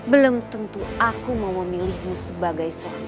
belum tentu aku mau memilihmu sebagai suami